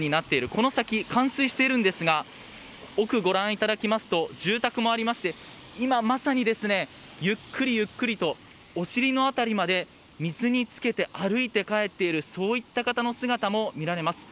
この先、冠水しているんですが奥、ご覧いただきますと住宅もありまして今まさにゆっくりとお尻の辺りまで水につけて歩いて帰っているそういった方の姿も見られます。